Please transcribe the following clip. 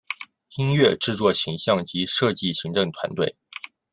音乐制作形像及设计行政团队